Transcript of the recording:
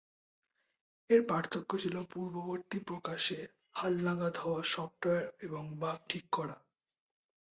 এর পার্থক্য ছিল পূর্ববর্তী প্রকাশে হালনাগাদ হওয়া সফটওয়্যার এবং বাগ ঠিক করা।